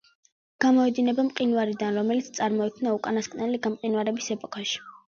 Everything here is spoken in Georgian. გამოედინება მყინვარიდან, რომელიც წარმოიქმნა უკანასკნელი გამყინვარების ეპოქაში.